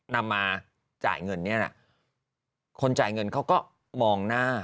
นำมาจ่ายเงินเนี่ยนะคนจ่ายเงินเขาก็มองหน้า